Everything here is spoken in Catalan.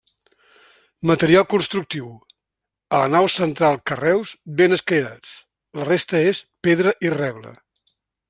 Material constructiu: a la nau central carreus ben escairats; la resta és pedra i reble.